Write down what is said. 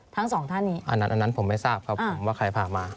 ทั้ง๒ท่านนี้โดยการอันนั้นผมไม่ทราบครับว่าใครพามา